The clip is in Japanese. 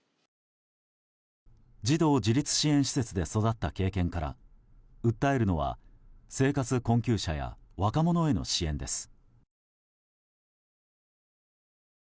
児童自立支援施設で育った経験から訴えるのは、生活困窮者や若者への支援です。